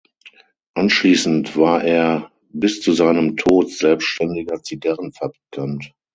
Anschließend war er bis zu seinem Tod selbstständiger Zigarrenfabrikant.